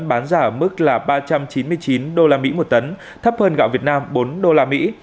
bán giảm ở mức ba trăm chín mươi chín usd một tấn thấp hơn gạo việt nam bốn usd một tấn